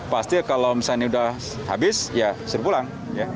pasti kalau misalnya ini sudah habis ya serpulang